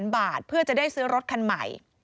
บาทเพื่อจะได้ซื้อรถคันใหม่